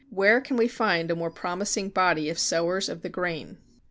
Where can we find a more promising body of sowers of the grain?